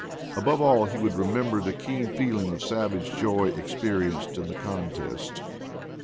Above all, he would remember the keen feeling of savage joy experienced in the contest.